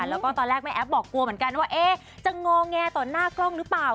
แล้วก็ตอนแรกแม่แอฟบอกกลัวเหมือนกันว่าจะงอแงต่อหน้ากล้องหรือเปล่า